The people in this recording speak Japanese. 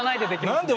何で？